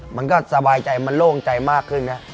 มันก็สบายใจมันโล่งใจมากขึ้นนะ